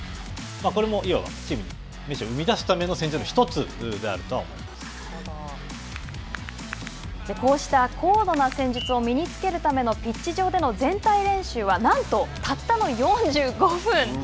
これもいわばチームにメッシを生み出すためのこうした高度な戦術を身につけるためのピッチ上での全体練習はなんと、たったの４５分。